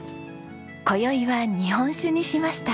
今宵は日本酒にしました。